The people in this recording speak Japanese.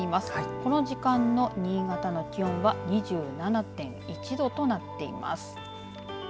この時間の新潟の気温は２７．１度となっています。